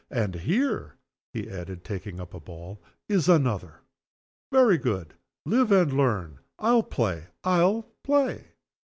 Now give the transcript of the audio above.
And here," he added, taking up a ball, "is another. Very good. Live and learn. I'll play! I'll play!"